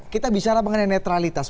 kita bisa mengenai netralitas